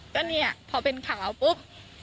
ก็เนี่ยพอเป็นข่าวปุ๊บ